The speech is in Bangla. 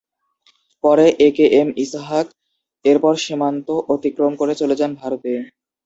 পরে এ কে এম ইসহাক এরপর সীমান্ত অতিক্রম করে চলে যান ভারতে।